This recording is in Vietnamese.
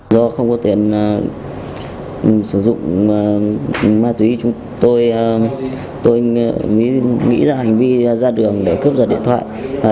sử dụng ma túy tôi nghĩ ra hành vi ra đường để cướp giật điện thoại